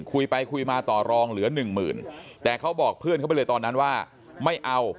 คุยไปคุยมาต่อรองเหลือหนึ่งหมื่นแต่เขาบอกเพื่อนเขาไปเลยตอนนั้นว่าไม่เอา